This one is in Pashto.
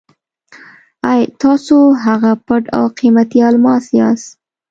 اې! تاسو هغه پټ او قیمتي الماس یاست.